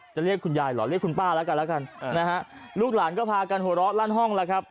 จะเรียกคุณยายหรอเรียกคุณป้าละกันลูกหลานก็พากันหัวเราะลั่นห้องละครับ